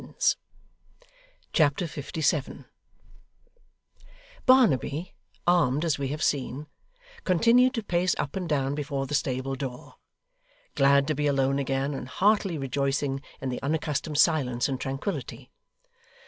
Chapter 57 Barnaby, armed as we have seen, continued to pace up and down before the stable door; glad to be alone again, and heartily rejoicing in the unaccustomed silence and tranquillity.